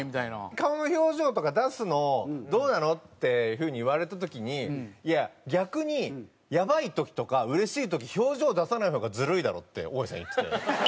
顔の表情とか出すのどうなの？っていう風に言われた時にいや逆にやばい時とかうれしい時表情出さない方がずるいだろって多井さん言ってて。